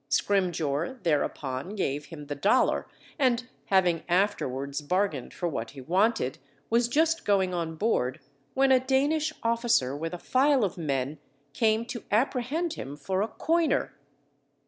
Scrimgeour thereupon gave him the dollar, and having afterwards bargained for what he wanted, was just going on board when a Danish officer with a file of men, came to apprehend him for a coiner.